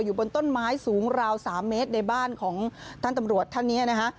อยู่บนต้นไม้สูงราว๓เมตรในบ้านของท่านตำรวจท่านนี้นะคะ